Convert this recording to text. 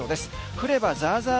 降ればザーザー